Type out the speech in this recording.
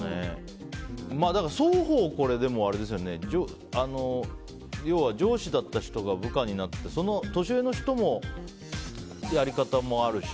双方、要は上司だった人が部下になってその年上の人のやり方もあるし。